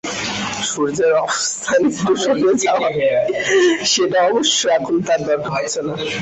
সূর্যের অবস্থান একটু সরে যাওয়ায় সেটা অবশ্য এখন তাঁর দরকার হচ্ছে না।